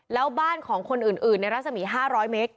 แล้วบ้านของคนอื่นในรัศมี๕๐๐เมตร